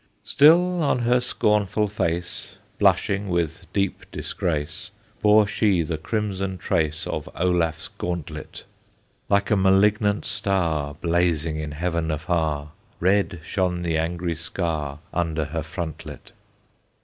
Still on her scornful face, Blushing with deep disgrace, Bore she the crimson trace Of Olaf's gauntlet; Like a malignant star, Blazing in heaven afar, Red shone the angry scar Under her frontlet.